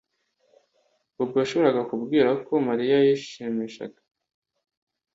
Bobo yashoboraga kubwira ko Mariya yishimishaga